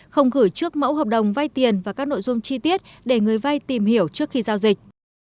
không gửi trước mẫu hợp đồng vay tiền và các nội dung chi tiết để người vay tìm hiểu trước khi giao dịch